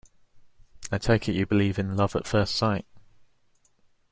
I take it you believe in love at first sight?